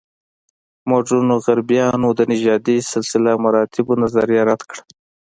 مډرنو غربیانو د نژادي سلسله مراتبو نظریه رد کړه.